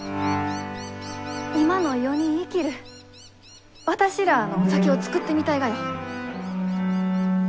今の世に生きる私らあの酒を造ってみたいがよ。